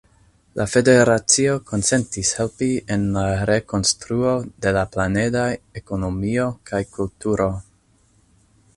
La federacio konsentis helpi en la rekonstruo de la planedaj ekonomio kaj kulturo.